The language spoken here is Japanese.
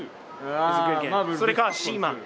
それか『シーマン』。